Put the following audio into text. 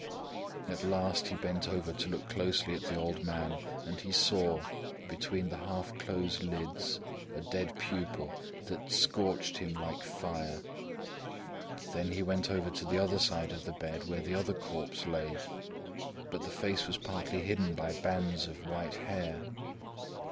At last he bent over to look closely at the old man and he saw, between the half closed lids, a dead pupil that scorched him like fire. Then he went over to the other side of the bed, where the other corpse lay, but the face was partly hidden by bands of white hair.